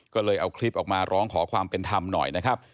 ก็เลยเอาคลิปออกมาร้องขอความเป็นธรรมหน่อยนะครับ